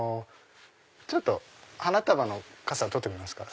ちょっと花束の傘取ってもらえますか。